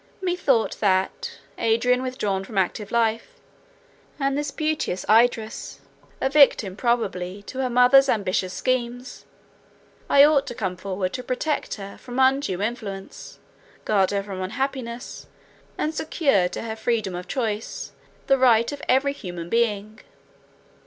Methought that, Adrian withdrawn from active life, and this beauteous Idris, a victim probably to her mother's ambitious schemes, I ought to come forward to protect her from undue influence, guard her from unhappiness, and secure to her freedom of choice, the right of every human being.